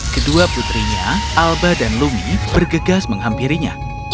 kedua putrinya alba dan lumi bergegas menghampirinya